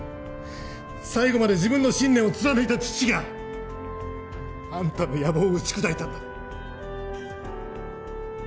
最後まで自分の信念を貫いた父があんたの野望を打ち砕いたんだ。